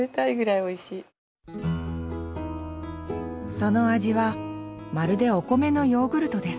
その味はまるでお米のヨーグルトです。